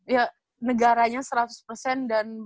ya negaranya seratus dan